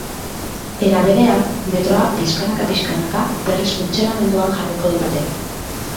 Era berean, metroa pixkanaka-pixkanaka berriz funtzionamenduan jarriko dute.